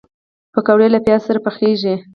پکورې له پیاز سره پخېږي